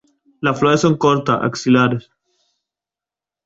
Las flores son cortas, axilares.